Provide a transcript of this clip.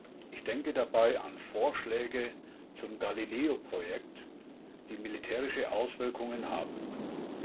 Ich denke dabei an Vorschläge zum Galileo-Projekt, die militärische Auswirkungen haben.